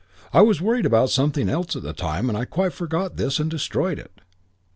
I was worried about something else at the time, and I quite forgot this and I destroyed it.'